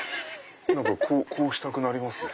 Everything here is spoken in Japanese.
こうしたくなりますね。